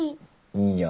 いいよ。